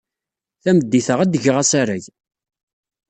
Tameddit-a, ad d-geɣ asarag.